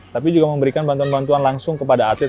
tapi juga memberikan bantuan bantuan langsung kepada atlet